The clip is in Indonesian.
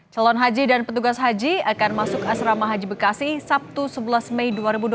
calon haji dan petugas haji akan masuk asrama haji bekasi sabtu sebelas mei dua ribu dua puluh